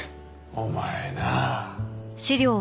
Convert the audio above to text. お前なあ。